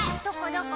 どこ？